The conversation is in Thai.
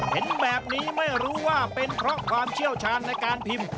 เห็นแบบนี้ไม่รู้ว่าเป็นเพราะความเชี่ยวชาญในการพิมพ์